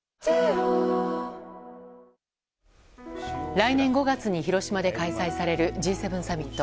来年５月に広島で開催されるＧ７サミット。